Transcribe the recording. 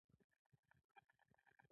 د کونړ په وټه پور کې د کرومایټ نښې شته.